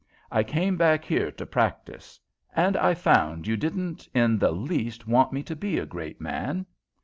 I came back here to practise, and I found you didn't in the least want me to be a great man.